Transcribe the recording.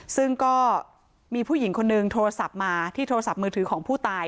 ซึ่งก็มีผู้หญิงคนนึงโทรศัพท์มาที่โทรศัพท์มือถือของผู้ตาย